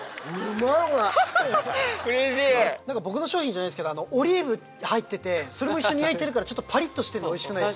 僕の商品じゃないけどオリーブ入っててそれも一緒に焼いてるからパリっとしてておいしい。